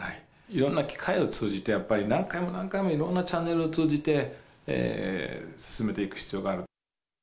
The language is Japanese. いろんな機会を通じて、やっぱり何回も何回も、いろんなチャネルを通じて進めていく必要がある。